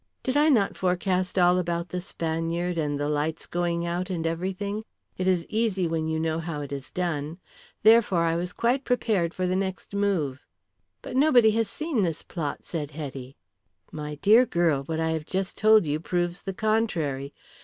Did I not forecast all about the Spaniard and the lights going out and everything. It is easy when you know how it is done. Therefore I was quite prepared for the next move." "But nobody has seen this plot," said Hetty. "My dear girl, what I have just told you proves the contrary.